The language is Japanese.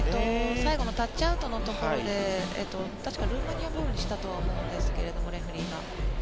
最後のタッチアウトのところで確かルーマニアボールにしたと思うんですが、レフェリーが。